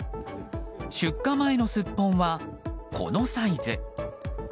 出荷前のスッポンは、このサイズ。